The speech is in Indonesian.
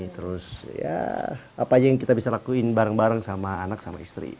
terus ya apa aja yang kita bisa lakuin bareng bareng sama anak sama istri